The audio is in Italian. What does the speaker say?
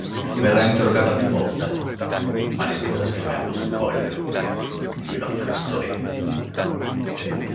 Verrà interrogata più volte ma rispose scrivendo su un foglio "Viva Cristo Re".